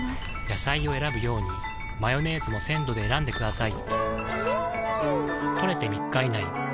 野菜を選ぶようにマヨネーズも鮮度で選んでくださいん！